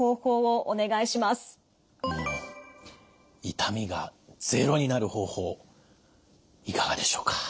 痛みがゼロになる方法いかがでしょうか。